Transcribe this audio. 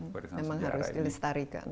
memang harus dilestarikan